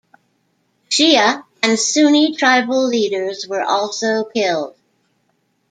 Shia and Sunni tribal leaders were also killed.